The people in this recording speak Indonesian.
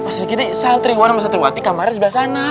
pak sri giti santriwan sama santriwati kamarnya sebelah sana